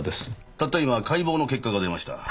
たった今解剖の結果が出ました。